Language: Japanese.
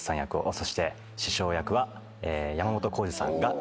そして師匠役は山本耕史さんが演じられます。